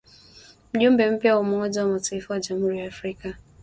Mjumbe mpya wa Umoja wa mataifa kwa Jamhuri ya Afrika